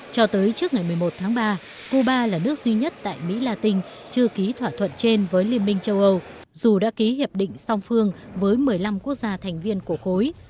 cho tới trước ngày một mươi một tháng ba cuba là nước duy nhất tại mỹ latin chưa ký thỏa thuận trên với liên minh châu âu dù đã ký hiệp định song phương với một mươi năm quốc gia thành viên của khối